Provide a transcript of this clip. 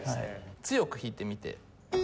強く弾いてみて。